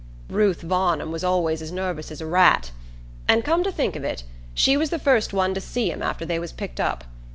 "Ruth Varnum was always as nervous as a rat; and, come to think of it, she was the first one to see 'em after they was picked up.